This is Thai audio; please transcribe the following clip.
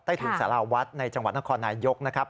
ในทุนสาราวัฒน์ในจังหวัดนครนายก